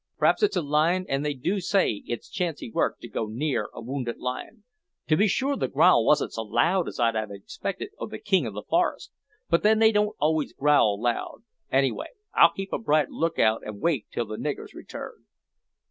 Pr'aps it's a lion, an' they do say that it's chancy work to go near a wounded lion. To be sure the growl wasn't so loud as I'd have expected o' the king o' the forest, but then they don't always growl loud. Anyhow I'll keep a bright look out an' wait till the niggers return."